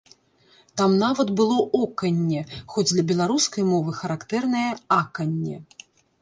Там нават было оканне, хоць для беларускай мовы характэрнае аканне.